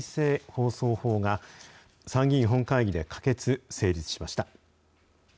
放送法が、参議院本会議で可決・成立しました。